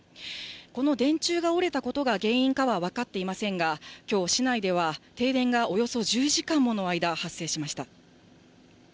この電柱が折れたことが原因かは分かっていませんが、きょう、市内では停電がおよそ１０時間もの間、発生しました。